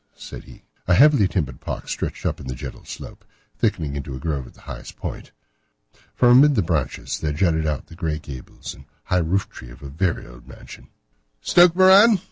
said he. A heavily timbered park stretched up in a gentle slope, thickening into a grove at the highest point. From amid the branches there jutted out the grey gables and high roof tree of a very old mansion. "Stoke Moran?"